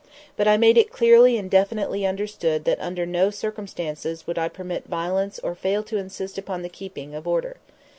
But I made it clearly and definitely understood that under no circumstances would I permit violence or fail to insist upon the keeping of order.